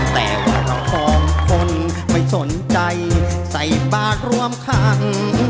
แต่ว่าเราคล่องคนไม่สนใจใส่บาทร่วมครรภ์